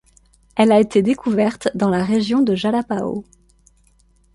Elle a été découverte dans la région de Jalapão.